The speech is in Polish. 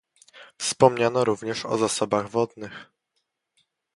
Wspomniano również o zasobach wodnych